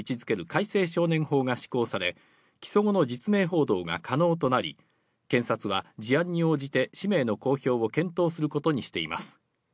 改正少年法が施行され、起訴後の実名報道が可能となり、検察は事案に応じて氏名の公表を検討することにしています。